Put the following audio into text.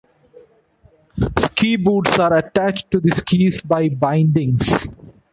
Ski boots are attached to the skis by bindings.